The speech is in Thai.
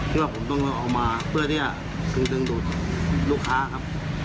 เพราะว่าผมต้องเอามาเพื่อที่จะซึมซึมดูดลูกค้าครับ